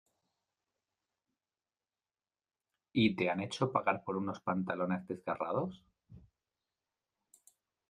¿Y te han hecho pagar por unos pantalones desgarrados?